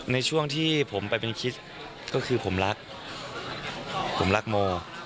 ในช่วงที่ผมไปเป็นคริสต์ก็คือผมรักผมรักโม